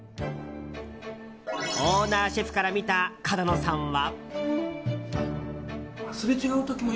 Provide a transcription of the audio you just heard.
オーナーシェフから見た角野さんは。